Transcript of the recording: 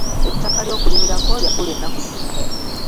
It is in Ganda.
Ettaka ly'okulimirako lya bbula ennaku zino.